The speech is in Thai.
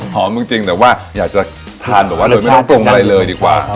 จริงแต่ว่าอยากจะทานแบบว่าโดยไม่ต้องปรุงอะไรเลยดีกว่า